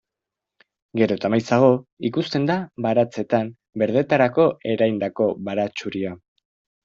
Gero eta maizago ikusten da baratzeetan berdetarako ereindako baratxuria.